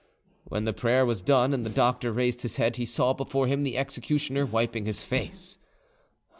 When the prayer was done and the doctor raised his head, he saw before him the executioner wiping his face.